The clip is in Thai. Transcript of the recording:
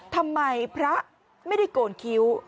ทำไมพระไม่ได้โกนคิ้ว